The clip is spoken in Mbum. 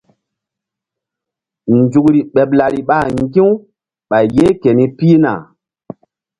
Nzukri ɓeɓ lari ɓa ŋgi̧-u ɓay yeh keni pihna.